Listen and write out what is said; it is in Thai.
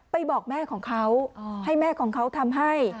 บอกแม่ของเขาให้แม่ของเขาทำให้